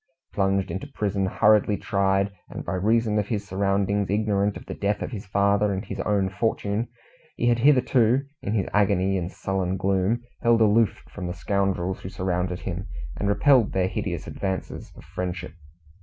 Plunged into prison, hurriedly tried, and by reason of his surroundings ignorant of the death of his father and his own fortune, he had hitherto in his agony and sullen gloom held aloof from the scoundrels who surrounded him, and repelled their hideous advances of friendship.